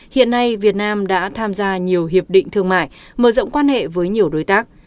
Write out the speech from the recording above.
hiện nay việt nam đã tham gia nhiều hiệp định thương mại mở rộng quan hệ với nhiều đối tác